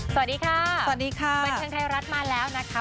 สวัสดีค่ะสวัสดีค่ะบันเทิงไทยรัฐมาแล้วนะคะ